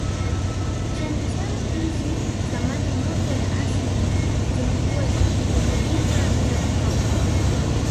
Chemchem hizi za maji moto ya asili zimekuwa zikibubujika bila kukauka